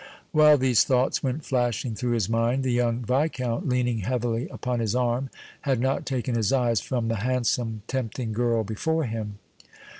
While these thoughts went flashing through his mind, the young Viscount, leaning heavily upon his arm, had not taken his eyes from the handsome, tempting girl before him.